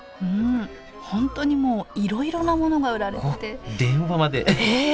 本当にもういろいろなものが売られてて電話までええ！